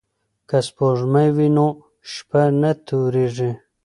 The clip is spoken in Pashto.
که سپوږمۍ وي نو شپه نه تورېږي.